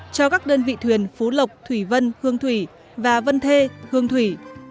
cho các đơn vị thuyền phú lộc thủy vân hương thủy và vân thê hương thủy